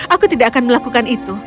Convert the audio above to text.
aku tidak akan melakukan itu